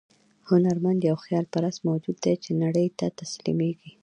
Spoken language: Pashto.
هنرمند یو خیال پرست موجود دی چې نړۍ ته تسلیمېږي.